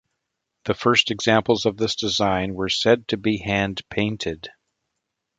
The first examples of this design were said to be hand-painted.